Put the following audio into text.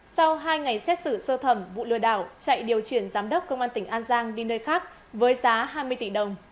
sau hai ngày xét xử sơ thẩm vụ lừa đảo chạy điều chuyển giám đốc công an tỉnh an giang đi nơi khác với giá hai mươi tỷ đồng